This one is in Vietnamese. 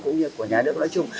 cũng như của nhà nước nói chung